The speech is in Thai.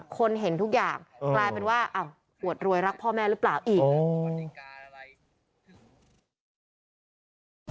คนเห็นทุกอย่างกลายเป็นว่าอวดรวยรักพ่อแม่หรือเปล่าอีก